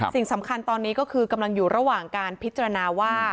สิ่งสำคัญตอนนี้ก็คือกำลังอยู่ระหว่างการพิจารณาว่า